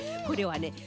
これはね